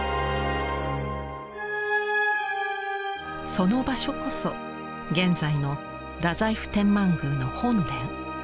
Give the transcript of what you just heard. その場所こそ現在の太宰府天満宮の本殿。